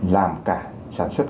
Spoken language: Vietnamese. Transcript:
làm cả sản xuất